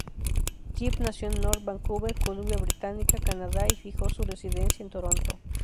Yip nació en North Vancouver, Columbia Británica, Canadá, y fijó su residencia en Toronto.